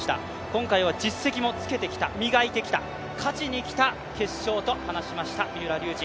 今回は実績もつけてきてた、磨いてきた、勝ちに来た決勝と話しました、三浦龍司。